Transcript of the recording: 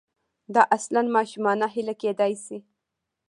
دا اصلاً ماشومانه هیله کېدای شي.